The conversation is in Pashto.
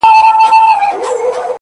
اوس هم زما د وجود ټوله پرهرونه وايي ـ